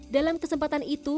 dalam kesempatan itu